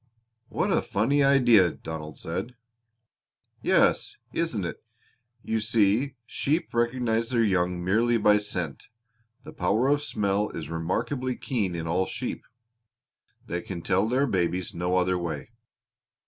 "What a funny idea!" Donald said. "Yes, isn't it? You see sheep recognize their young merely by scent. The power of smell is remarkably keen in all sheep. They can tell their babies no other way.